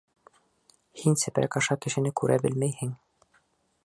Һин сепрәк аша кешене күрә белмәйһең.